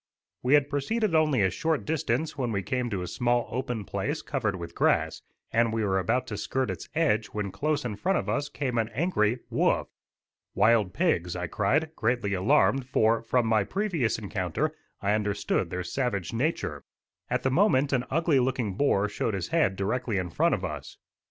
We had proceeded only a short distance when we came to a small open place covered with grass, and we were about to skirt its edge when close in front of us came an angry "woof." "Wild pigs," I cried, greatly alarmed, for, from my previous encounter, I understood their savage nature. At the moment an ugly looking boar showed his head directly in front of us.